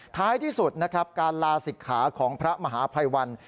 ท้ายที่สุดนะครับการลาศิกขาของพระมหาภัยวัน